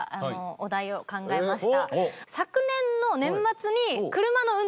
昨年の年末に。